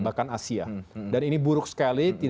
bahkan asia dan ini buruk sekali